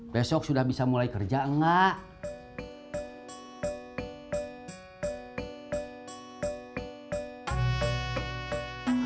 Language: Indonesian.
besok sudah bisa mulai kerja enggak